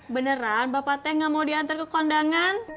beneran bapak teng gak mau diantar ke kondangan